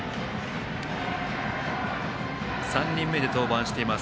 ３人目で登板しています